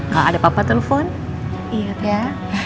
kalau ada papa telepon iya ya